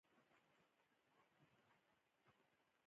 په افغانستان کې ژبې د خلکو اعتقاداتو سره تړاو لري.